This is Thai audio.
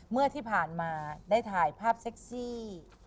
เมื่อที่ผ่านมาได้ถ่ายภาพเซ็กซี่